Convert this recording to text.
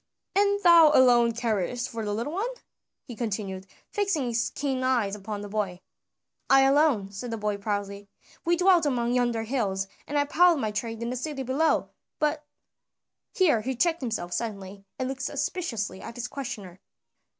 "And thou alone carest for the little one?" he continued, fixing his keen eyes upon the boy. "I alone," said the boy proudly. "We dwelt among yonder hills, and I plied my trade in the city below, but " here he checked himself suddenly, and looked suspiciously at his questioner.